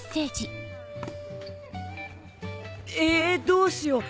どうしよう！